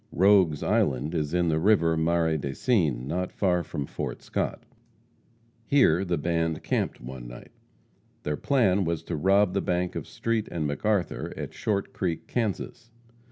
Rogue's Island is in the river Marais des Cygnes, not far from Fort Scott. Here the band camped one night. Their plan was to rob the bank of Street & McArthur at Short Creek, Kansas.